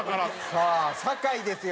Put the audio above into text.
さあ酒井ですよ